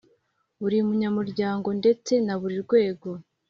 Buri munyamuryango ndetse na buri rwego